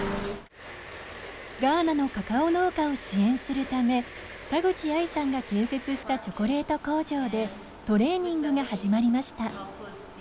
ガーナのカカオ農家を支援するため田口愛さんが建設したチョコレート工場でトレーニングが始まりました。